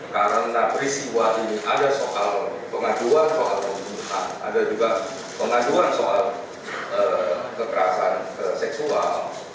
karena perisiwa ini ada soal pengaduan soal kemuliaan ada juga pengaduan soal kekerasan seksual